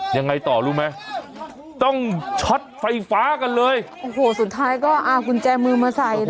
ยังไงต่อรู้ไหมต้องช็อตไฟฟ้ากันเลยโอ้โหสุดท้ายก็เอากุญแจมือมาใส่นะ